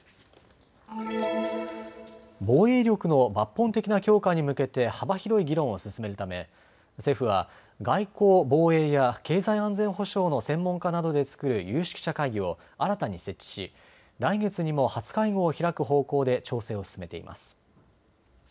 防衛力の抜本的な強化に向けて幅広い議論を進めるため政府は外交・防衛や経済安全保障の専門家などで作る有識者会議を新たに設置し来月にも初会合を開く方向で調整を進めています。